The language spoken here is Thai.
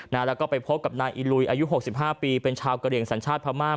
แล้วก็ไปพบกับนายอิลุยอายุ๖๕ปีเป็นชาวกระเหลี่ยงสัญชาติพม่า